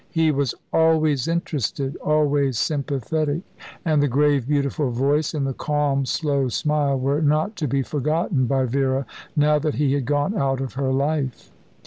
He was always interested, always sympathetic; and the grave, beautiful voice and the calm, slow smile were not to be forgotten by Vera, now that he had gone out of her life.